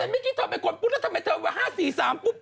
เมื่อกี้เธอเป็นคนปุ๊บแล้วทำไมเธอว่า๕๔๓ปุ๊บ